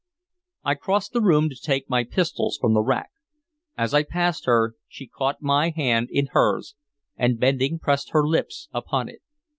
I crossed the room to take my pistols from the rack. As I passed her she caught my hand in hers, and bending pressed her lips upon it.